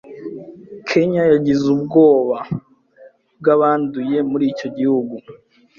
Kenya yagize uwoba bwabanduye muri icyo gihugu